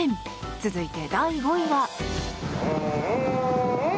続いて、第５位は。